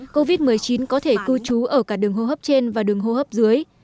covid một mươi chín có thể cư trú ở cả đường hô hấp trên và đường hô hấp dưới